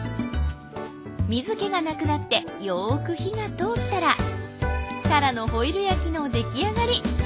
水気がなくなってよく火が通ったらたらのホイル焼きの出来上がり。